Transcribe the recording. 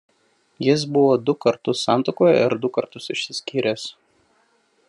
Jis buvo du kartus santuokoje ir du kartus išsiskyręs.